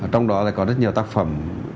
trong đó có rất nhiều tác phẩm